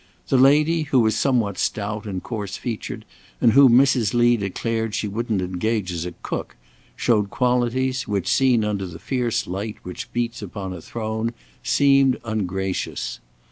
The lady, who was somewhat stout and coarse featured, and whom Mrs. Lee declared she wouldn't engage as a cook, showed qualities which, seen under that fierce light which beats upon a throne, seemed ungracious.